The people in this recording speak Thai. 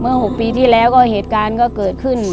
๖ปีที่แล้วก็เหตุการณ์ก็เกิดขึ้น